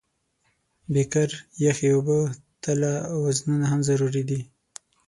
بیکر، یخې اوبه، تله او وزنونه هم ضروري دي.